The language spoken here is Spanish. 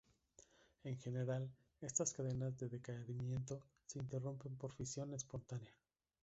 En general, estas cadenas de decaimiento se interrumpen por fisión espontánea.